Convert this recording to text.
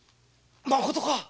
まことか！？